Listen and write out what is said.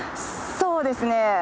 そうですね。